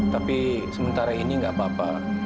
tapi sementara ini nggak apa apa